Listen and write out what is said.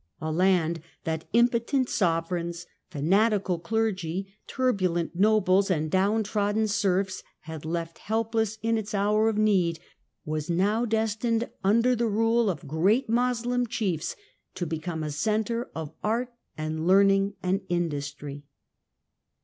A land that impotent sovereigns, fanatical clergy, turbulent nobles and down trodden serfs had left helpless in its hour of need, was now destined, under the rule of great Moslem chiefs, to ! become a centre of art and learning and industry.